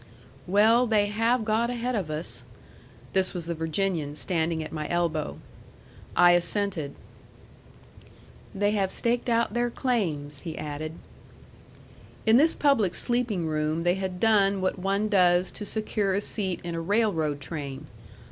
"Well, they have got ahead of us." This was the Virginian standing at my elbow. I assented. "They have staked out their claims," he added. In this public sleeping room they had done what one does to secure a seat in a railroad train.